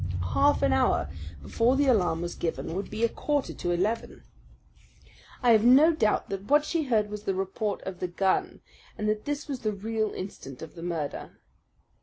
Half an hour before the alarm was given would be a quarter to eleven. I have no doubt that what she heard was the report of the gun, and that this was the real instant of the murder.